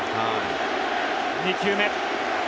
２球目。